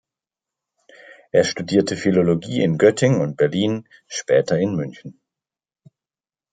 Er studierte Philologie in Göttingen und Berlin, später in München.